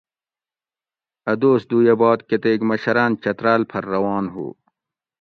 اۤ دوس دویہ باد کتیک مشراۤن چتراۤل پھر روان ہو